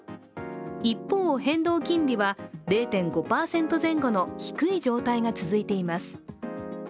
一方、変動金利は０．５％前後の低い状態が続いています。